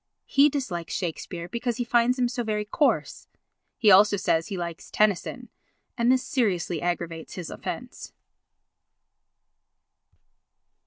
He dislikes Shakespeare because he finds him so very coarse. He also says he likes Tennyson and this seriously aggravates his offence.